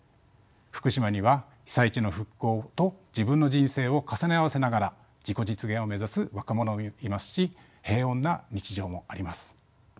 福島には被災地の復興と自分の人生を重ね合わせながら自己実現を目指す若者もいますし平穏な日常もあります。